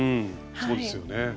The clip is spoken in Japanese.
そうですよね。